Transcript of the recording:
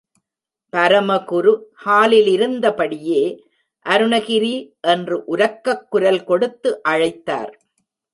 பரமகுரு ஹாலிலிருந்தபடியே, அருணகிரி! என்று உரக்கக் குரல் கொடுத்து அழைத்தார்.